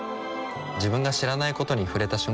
自分が知らないことに触れた瞬間